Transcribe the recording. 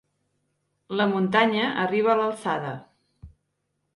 La muntanya arriba a l'alçada.